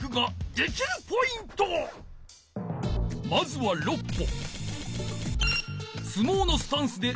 まずは６歩。